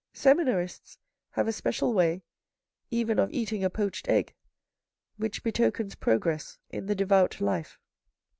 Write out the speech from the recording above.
Seminarists have a special way, even of eating a poached egg, which betokens progress in the devout life.